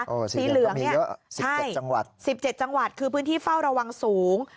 สีเหลืองเนี่ย๑๗จังหวัดคือพื้นที่เฝ้าระวังสูง